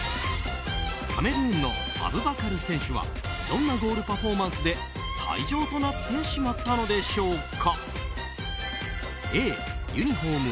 カメルーンのアブバカル選手はどんなゴールパフォーマンスで退場となってしまったのでしょうか？